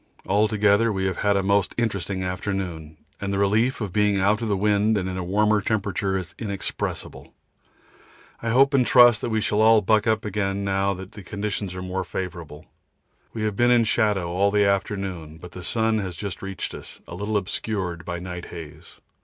Altogether we have had a most interesting afternoon, and the relief of being out of the wind and in a warmer temperature is inexpressible. I hope and trust we shall all buck up again now that the conditions are more favourable. We have been in shadow all the afternoon, but the sun has just reached us, a little obscured by night haze.